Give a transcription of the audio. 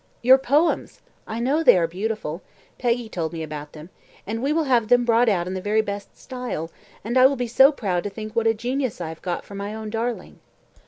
"Your poems I know they are beautiful Peggy told me about them; and we will have them brought out in the very best style, and I will be so proud to think what a genius I have got for my own darling."